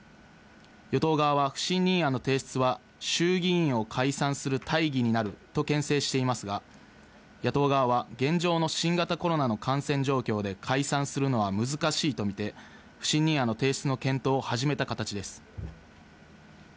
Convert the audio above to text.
与党側は不信任案の提出は衆議院を解散する大義になると牽制していますが、野党側は現状の新型コロナの感染状況で解散するのは難しいとみて、不信任案の提出の検討を始めた形です。